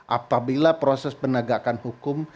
apabila proses penegakan hukum